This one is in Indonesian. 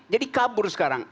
jadi kabur sekarang